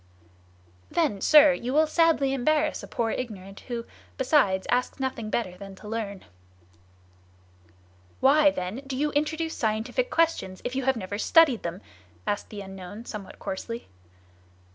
"Then, sir, you will sadly embarrass a poor ignorant, who, besides, asks nothing better than to learn." "Why, then, do you introduce scientific questions if you have never studied them?" asked the unknown somewhat coarsely.